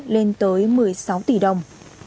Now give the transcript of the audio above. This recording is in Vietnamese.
lên tới một mươi sáu tỷ đồng